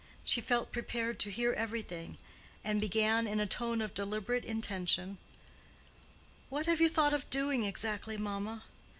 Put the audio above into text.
She felt prepared to hear everything, and began in a tone of deliberate intention, "What have you thought of doing, exactly, mamma?"